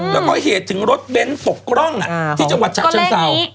แล้วก็เหตุถึงรถเบ้นตกร่องที่จังหวัดฉะเชิงเศร้า